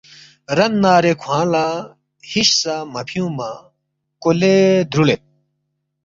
رَننارے کھوانگ لا ہِش سہ مفیونگمہ کولے درولید